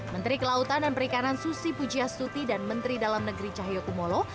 menteri kelautan dan perikanan susi pujiastuti dan menteri dalam negeri cahyokumolo